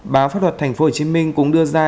báo pháp luật tp hcm cũng đưa ra